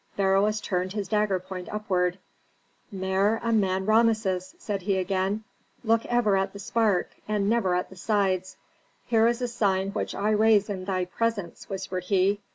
Beroes turned his dagger point upward. "Mer Amen Rameses," said he again, "look ever at the spark, and never at the sides. Here is a sign which I raise in thy presence," whispered he.